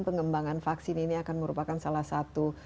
pengembangan vaksin ini akan merupakan salah satu